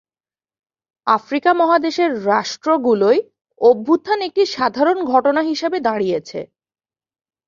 Africa মহাদেশের রাষ্ট্রগুলোয় অভ্যুত্থান একটি সাধারণ ঘটনা হিসেবে দাঁড়িয়েছে।